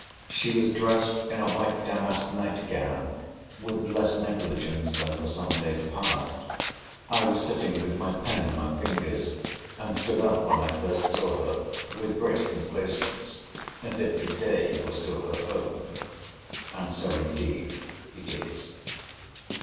She was dressed in a white damask night gown, with less negligence than for some days past. I was sitting with my pen in my fingers; and stood up when I first saw her, with great complaisance, as if the day were still her own. And so indeed it is.